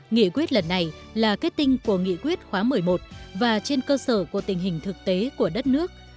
nghị quyết lần này là kết tinh của nghị quyết khóa một mươi một và trên cơ sở của tình hình thực tế của đất nước